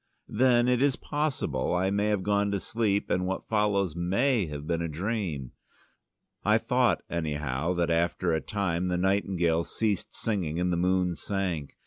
Then, it is possible, I may have gone to sleep, and what follows may have been a dream. I thought, anyhow, that after a time the nightingales ceased singing and the moon sank.